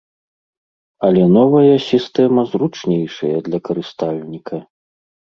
Але новая сістэма зручнейшая для карыстальніка.